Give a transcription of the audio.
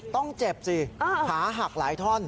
ต้องเจ็บสิขาหักหลายท่อน